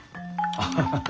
アハハハ。